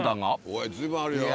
おい随分あるよ。